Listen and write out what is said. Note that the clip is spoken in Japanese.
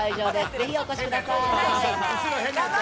ぜひお越しください。